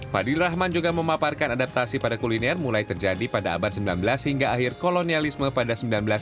fadli rahman juga memaparkan adaptasi pada kuliner mulai terjadi pada abad sembilan belas hingga akhir kolonialisme pada seribu sembilan ratus sembilan puluh